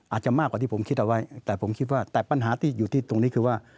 อาจจะมากกว่าที่ผมคิดเอาไว้แต่ผมคิดว่าแต่ปัญหาที่อยู่ที่ตรงนี้คือว่า